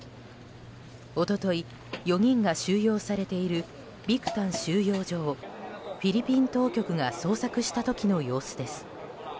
一昨日、４人が収容されているビクタン収容所をフィリピン当局が捜索した時の様子です。